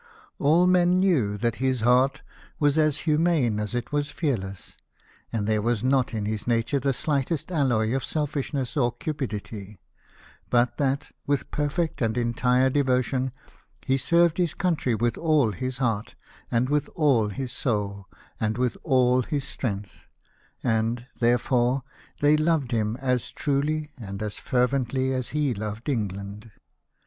All men knew that his heart was as humane as it was fearless ; that there was not in his nature the slightest alloy of selfishness or cupidity ; but that, with perfect and entire devotion, he served his country with all his heart, and with all his soul, and with all his strength ; and, therefore, they loved him as truly and as fervently as he loved England.